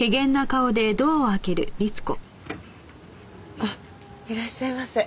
あっいらっしゃいませ。